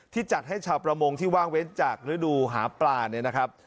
จัดให้ชาวประมงที่ว่างเว้นจากฤดูหาปลาเนี่ยนะครับ